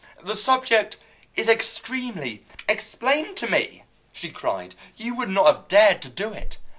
The subject is extremely " "Explain to me!" she cried. "You would not have dared to do it!